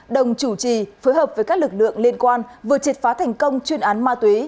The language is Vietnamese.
đồng chủ trì phối hợp với các lực lượng liên quan vừa triệt phá thành công chuyên án ma túy